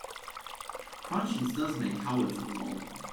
Conscience does make cowards of us all